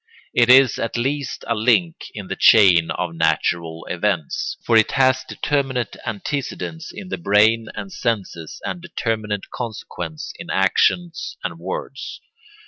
It is at least a link in the chain of natural events; for it has determinate antecedents in the brain and senses and determinate consequents in actions and words.